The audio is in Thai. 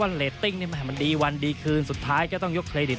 เรตติ้งมันดีวันดีคืนสุดท้ายก็ต้องยกเครดิต